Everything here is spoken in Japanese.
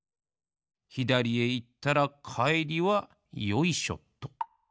ひだりへいったらかえりはよいしょっと！